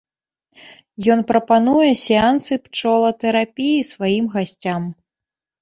Ён прапануе сеансы пчолатэрапіі сваім гасцям.